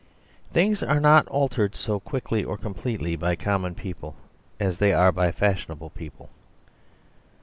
Things are not altered so quickly or completely by common people as they are by fashionable people.